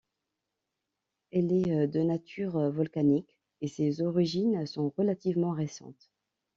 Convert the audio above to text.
Elle est de nature volcanique et ses origines sont relativement récentes.